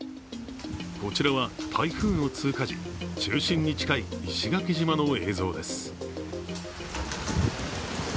こちらは台風の通過時、中心に近い石垣島の映像です。